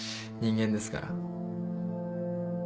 人間ですから。